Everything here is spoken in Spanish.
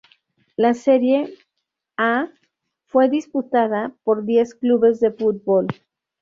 La Serie A fue disputada por diez clubes de fútbol.